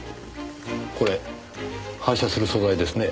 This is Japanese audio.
これ反射する素材ですね？